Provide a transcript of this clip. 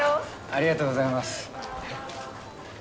ありがとうございます。